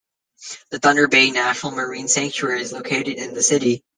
The Thunder Bay National Marine Sanctuary is located in the city.